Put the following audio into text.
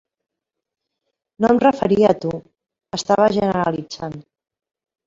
No em referia a tu, estava generalitzant.